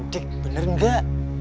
cik bener gak